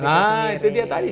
nah itu dia tadi